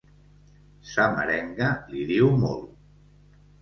Sa merenga li diu molt